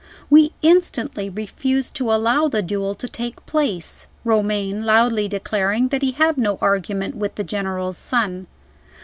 We instantly refused to allow the duel to take place, Romayne loudly declaring that he had no quarrel with the General's son.